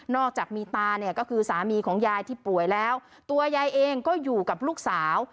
อกจากมีตาเนี่ยก็คือสามีของยายที่ป่วยแล้วตัวยายเองก็อยู่กับลูกสาว